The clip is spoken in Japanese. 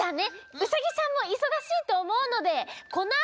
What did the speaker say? ウサギさんもいそがしいとおもうのでこのあたりで。